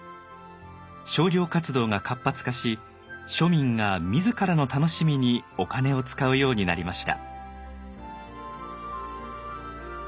商業活動が活発化し庶民が自らの楽しみにお金を使うようになりました。